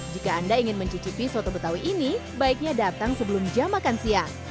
jika anda ingin mencicipi soto betawi ini baiknya datang sebelum jam makan siang